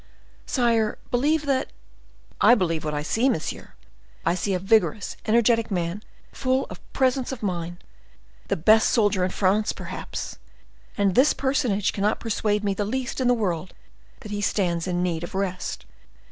"Sire, believe that—" "I believe what I see, monsieur; I see a vigorous, energetic man, full of presence of mind, the best soldier in France, perhaps; and this personage cannot persuade me the least in the world that he stands in need of rest."